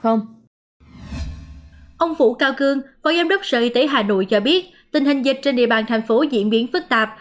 ông phủ cao cương phó giám đốc sở y tế hà nội cho biết tình hình dịch trên địa bàn thành phố diễn biến phức tạp